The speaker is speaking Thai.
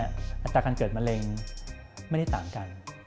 อัตราการเกิดมะเร็งไม่ได้ต่างกัน